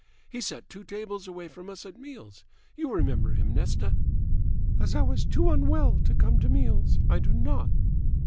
"He sat two tables away from us at meals. You remember him, Nesta?" "As I was too unwell to come to meals, I do not."